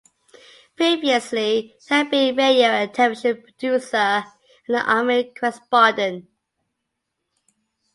Previously, he had been a radio and television producer and an Army correspondent.